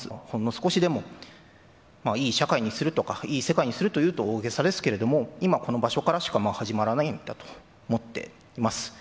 ほんの少しでもいい社会にするとか、いい世界にすると言うと大げさですけれども、今この場所からしか始まらないんだと思っています。